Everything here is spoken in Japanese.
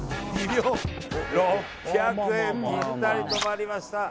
６００円、ぴったり止まりました。